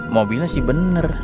mobilnya sih bener